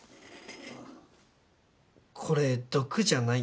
これ毒じゃないよね？